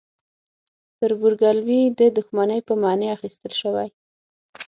تربورګلوي د دښمنۍ په معنی اخیستل شوی.